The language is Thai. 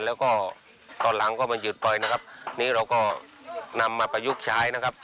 แล้วก็ตอนหลังก็มันหยุดไปนะครับนี่เราก็นำมาประยุกต์ใช้นะครับ